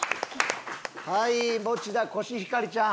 はい餅田コシヒカリちゃん。